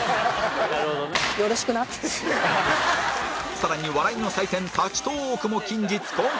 更に笑いの祭典立ちトーークも近日公開